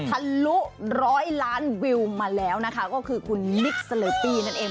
ทะลุร้อยล้านวิวมาแล้วนะคะก็คือคุณนิกสเลอปี้นั่นเอง